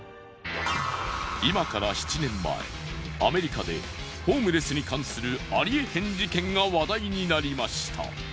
今から７年前アメリカでホームレスに関するありえへん事件が話題になりました。